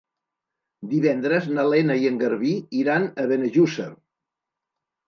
Divendres na Lena i en Garbí iran a Benejússer.